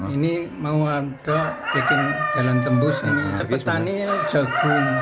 ini mau ada bikin jalan tembus ini petani jagung